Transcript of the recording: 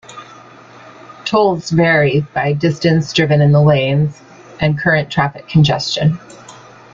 Tolls vary by distance driven in the lanes and current traffic congestion.